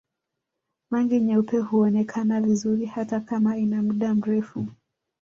Rangi nyeupe huonekana vizuri hata kama ina muda mrefu